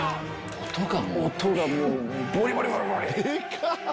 音がもうボリボリ！